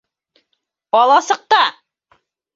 Аласыҡта!